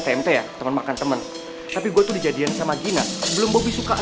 tapi man kan sekarang lagi hujan